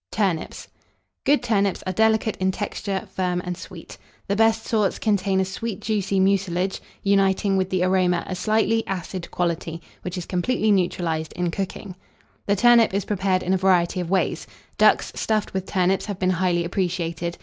TURNIPS. Good turnips are delicate in texture, firm, and sweet. The best sorts contain a sweet juicy mucilage, uniting with the aroma a slightly acid quality, which is completely neutralized in cooking. The turnip is prepared in a variety of ways. Ducks stuffed with turnips have been highly appreciated.